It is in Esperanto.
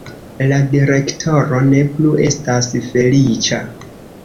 La direktoro ne plu estas feliĉa.